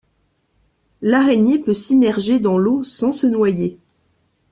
L'araignée peut s'immerger dans l'eau sans se noyer.